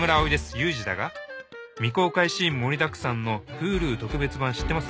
ユージだが未公開シーン盛りだくさんのＨｕｌｕ特別版知ってます？